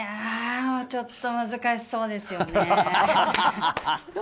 ちょっと難しそうですよね。